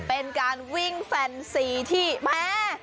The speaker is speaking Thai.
เป็นการวิ่งแฟนซีที่แม่